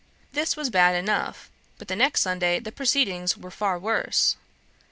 This was bad enough, but the next Sunday the proceedings were far worse.